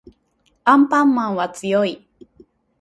アンパンマンは強い